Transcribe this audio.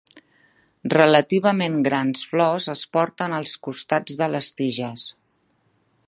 Relativament grans flors es porten als costats de les tiges.